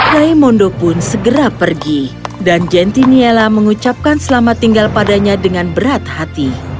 raimondo pun segera pergi dan gentiniela mengucapkan selamat tinggal padanya dengan berat hati